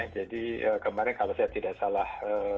jadi kemarin kalau saya tidak salah